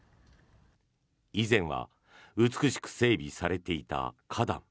以前は美しく整備されていた花壇。